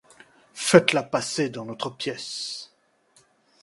Faites-la passer dans l'autre pièce.